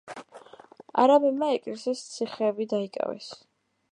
არაბებმა ეგრისის ციხეები დაიკავეს.